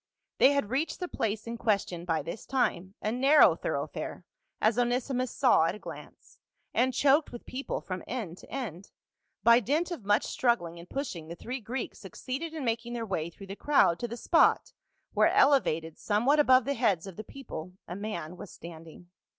They had reached the place in question by this time, a narrow thoroughfare, as Onesimus saw at a glance, and choked with people from end to end. By dint of much struggling and pushing the three Greeks suc ceeded in making their way through the crowd to the spot where, elevated somewhat above the heads of the people, a man was standing.